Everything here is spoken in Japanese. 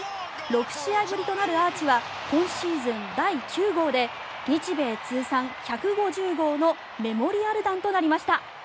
６試合ぶりとなるアーチは今シーズン第９号で日米通算１５０号のメモリアル弾となりました。